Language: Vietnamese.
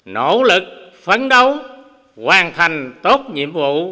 nỗ lực phấn đấu hoàn thành tốt nhiệm vụ